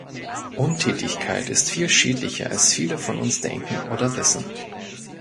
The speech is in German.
Untätigkeit ist viel schädlicher als viele von uns denken oder wissen.